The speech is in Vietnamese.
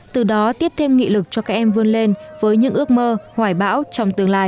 từ đó tiếp thêm nghị lực cho các em vươn lên với những ước mơ hoài bão trong tương lai